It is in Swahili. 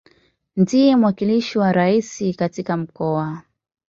Ndiye mwakilishi wa Rais katika Mkoa.